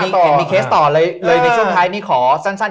ยังมีเคสต่อเลยในช่วงใดของนายต่อ